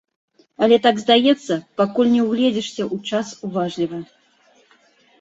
Але так здаецца, пакуль не ўгледзішся ў час уважліва.